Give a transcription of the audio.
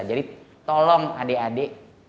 jadi tolong adik adik